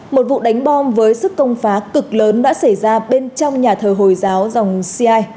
một vụ đánh bom với sức công phá cực lớn đã xảy ra bên trong nhà thờ hồi giáo dòng cia